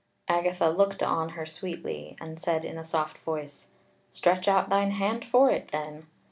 Agatha looked on her sweetly, and said in a soft voice: "Stretch out thine hand for it then."